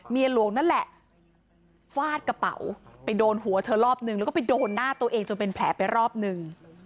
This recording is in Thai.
หลวงนั่นแหละฟาดกระเป๋าไปโดนหัวเธอรอบนึงแล้วก็ไปโดนหน้าตัวเองจนเป็นแผลไปรอบนึง